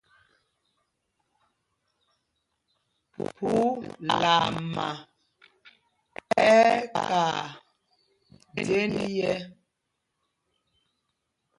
Phúlama ɛ́ ɛ́ kaa jênd yɛ́.